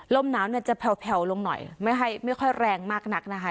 ลมหนาวเนี่ยจะแผลวลงหน่อยไม่ค่อยแรงมากนักนะคะ